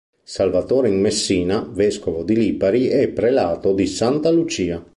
Salvatore in Messina, vescovo di Lipari e prelato di Santa Lucia.